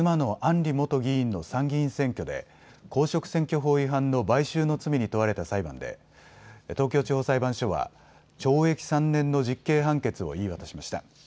里元議員の参議院選挙で公職選挙法違反の買収の罪に問われた裁判で東京地方裁判所は懲役３年の実刑判決を言い渡しました。